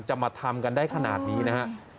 จะมาทำกันได้ขนาดนี้นะครับ